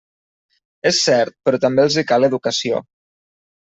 És cert, però també els hi cal educació.